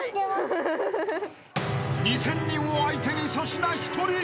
［２，０００人を相手に粗品１人］